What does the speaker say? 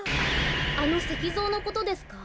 あのせきぞうのことですか？